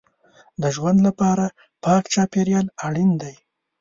د ژوند لپاره پاک چاپېریال اړین دی.